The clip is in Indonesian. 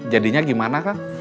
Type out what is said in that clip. jadinya gimana kang